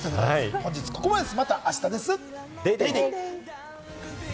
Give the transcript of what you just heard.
本日は、ここまでです。